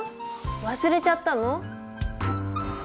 忘れちゃったの？